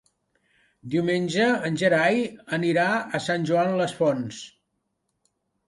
Diumenge en Gerai anirà a Sant Joan les Fonts.